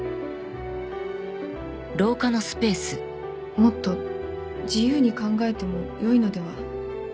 もっと自由に考えてもよいのでは？